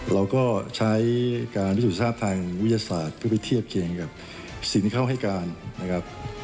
เราก็ใช้การพิสูจน์ทราบทางวิทยาศาสตร์เพื่อไปเทียบเคียงกับสิ่งที่เขาให้การนะครับ